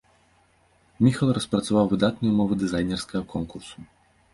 Міхал распрацаваў выдатныя ўмовы дызайнерскага конкурсу.